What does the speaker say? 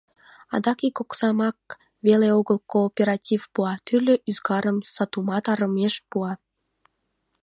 Адак ик оксамак веле огыл кооператив пуа — тӱрлӧ ӱзгарым, сатумат арымеш пуа.